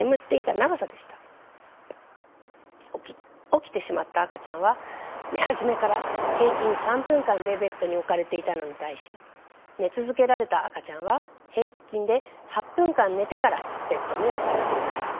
起きてしまった赤ちゃんは寝始めから平均３分間でベッドに置かれていたのに対し寝続けられた赤ちゃんは平均で８分間寝てからベッドに置かれていました。